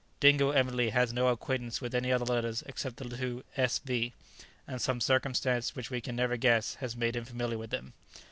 Dingo evidently has no acquaintance with any other letters except the two S V; and some circumstance which we can never guess has made him familiar with them."